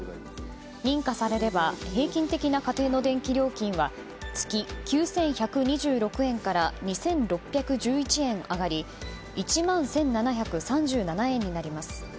認可されれば平均的な家庭の電気料金は月９１２６円から２６１１円上がり１万１７３７円になります。